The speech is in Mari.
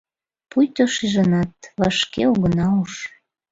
Пуйто шижынат, вашке огына уж.